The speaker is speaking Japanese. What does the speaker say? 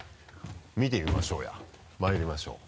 見てみましょうやまいりましょう。